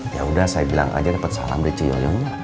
ya udah saya bilang aja dapet salam dari ciyoyongnya